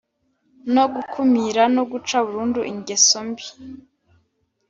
no gukumira no guca burundu igeso mbi